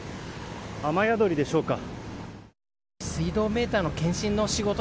雨宿りでしょうか。